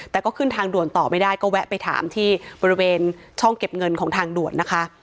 แต่ก็ขึ้นทางด่วนต่อไม่ได้ก็แวะไปถามที่บริเวณช่องเก็บเงินของทางด่วนนะคะ